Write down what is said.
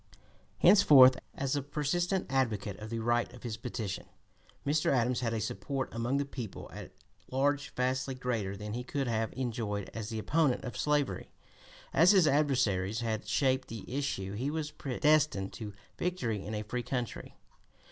Henceforth, as the persistent advocate of the right of petition, Mr. Adams had a support among the people at large vastly greater than he could have enjoyed as the opponent of slavery. As his adversaries had shaped the issue he was predestined to victory in a free country.